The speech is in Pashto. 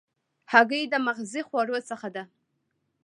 هګۍ د مغذي خوړو څخه ده.